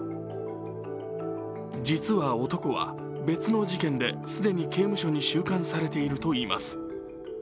実は男は別の事件で既に刑務所に収監されているといいます。